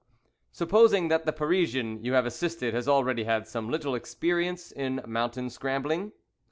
"Supposing that the Parisian you have assisted has already had some little experience in mountain scrambling?"